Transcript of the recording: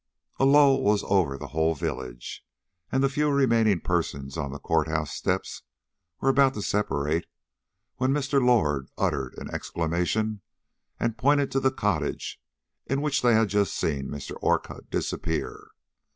A lull was over the whole village, and the few remaining persons on the court house steps were about to separate, when Mr. Lord uttered an exclamation and pointed to the cottage into which they had just seen Mr. Orcutt disappear.